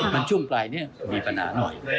มันช่วงไกลเนี่ยมีปัญหาหน่อย